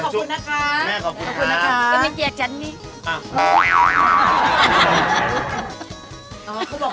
สุดยอดนะครับ